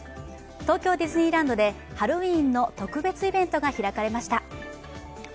東京ディズニーランドでハロウィーンの特別イベントが開かれました。